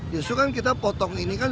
biasanya kita potong air di kalisunter